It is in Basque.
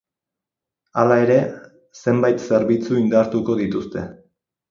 Hala ere, zenbait zerbitzu indartuko dituzte.